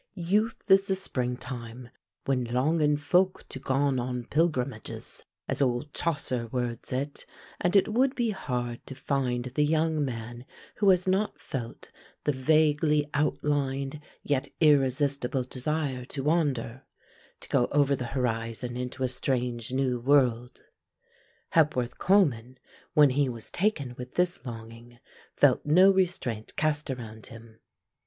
Youth is the spring time when "Longen folk to gon on pilgrimages," as old Chaucer words it, and it would be hard to find the young man who has not felt the vaguely outlined yet irresistible desire to wander, to go over the horizon into a strange, new world. Hepworth Coleman, when he was taken with this longing, felt no restraint cast around him.